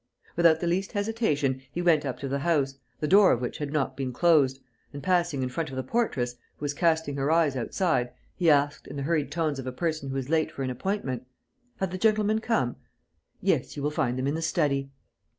Without the least hesitation he went up to the house, the door of which had not been closed, and, passing in front of the portress, who was casting her eyes outside, he asked, in the hurried tones of a person who is late for an appointment: "Have the gentlemen come?" "Yes, you will find them in the study."